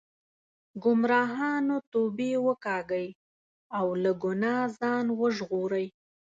ګمراهانو توبې وکاږئ او له ګناه ځان وژغورئ.